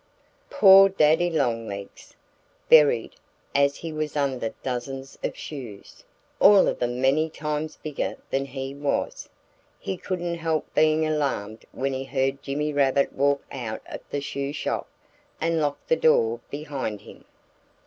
POOR Daddy Longlegs! Buried as he was under dozens of shoes all of them many times bigger than he was he couldn't help being alarmed when he heard Jimmy Rabbit walk out of the shoe shop and lock the door behind him.